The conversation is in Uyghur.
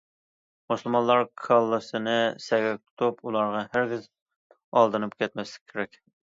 مۇسۇلمانلار كاللىسىنى سەگەك تۇتۇپ، ئۇلارغا ھەرگىز ئالدىنىپ كەتمەسلىكى كېرەك.